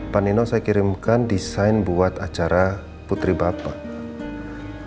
panino saya kirimkan desain buat acara putri bapak